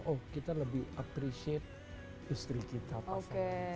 oh kita lebih appreciate istri kita pasangan kita